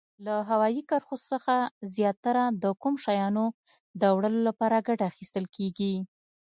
له هوایي کرښو څخه زیاتره د کوم شیانو د وړلو لپاره ګټه اخیستل کیږي؟